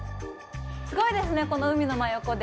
すごいですね、この海の真横で。